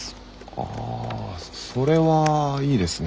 ああそれはいいですね。